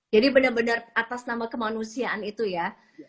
jadi benar benar atas nama kemanusiaan itu ya